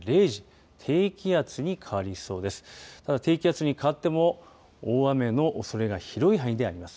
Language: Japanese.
ただ、低気圧に変わっても大雨のおそれが広い範囲であります。